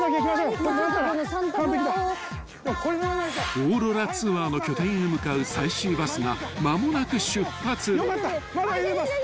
［オーロラツアーの拠点へ向かう最終バスが間もなく出発］よかった。